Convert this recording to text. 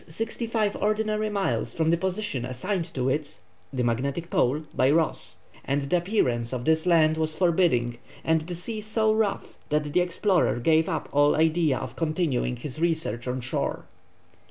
sixty five ordinary miles from the position assigned to it (the magnetic pole) by Ross, and the appearance of this land was forbidding and the sea so rough that the explorer gave up all idea of continuing his researches on shore.